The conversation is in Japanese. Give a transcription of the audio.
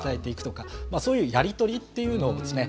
そういうやり取りっていうのをですね